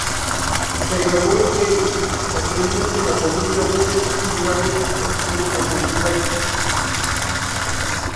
Se graduó en Yale y posteriormente en la Columbia University Graduate School of Journalism.